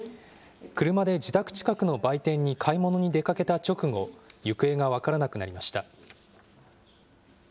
車で自宅近くの売店に買い物に出かけた直後、行方が分からなくなりました。